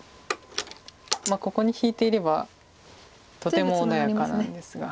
ここに引いていればとても穏やかなんですが。